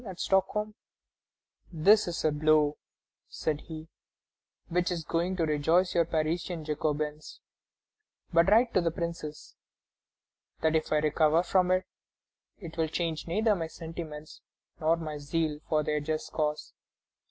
at Stockholm: "This is a blow," said he, "which is going to rejoice your Parisian Jacobins; but write to the Princes that if I recover from it, it will change neither my sentiments nor my zeal for their just cause."